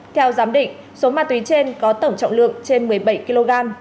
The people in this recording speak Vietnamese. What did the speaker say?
theo giám định số ma túy trên có tổng trọng lượng trên một mươi bảy kg